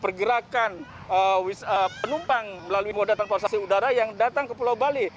empat puluh lima sembilan ratus lima puluh satu pergerakan penumpang melalui moda transportasi udara yang datang ke pulau bali